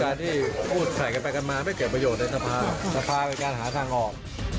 ที่พูดใส่กันไปกันมาไม่เกิดประโยชน์ในสภาสภาเป็นการหาทางออก